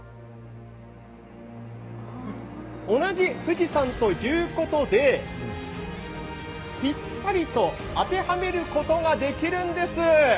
同じ富士山ということでぴったりと当てはめることができるんです。